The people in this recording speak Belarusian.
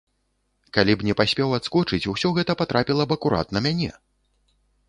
Калі б не паспеў адскочыць, усё гэта патрапіла б акурат на мяне!